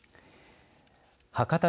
博多